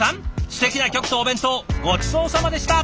すてきな曲とお弁当ごちそうさまでした。